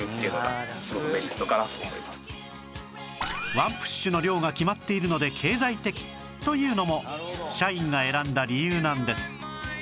１プッシュの量が決まっているので経済的というのも社員が選んだ理由なんです